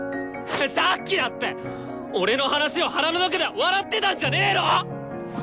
さっきだって俺の話を腹の中では笑ってたんじゃねの！？